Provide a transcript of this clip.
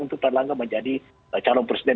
untuk pak erlangga menjadi calon presiden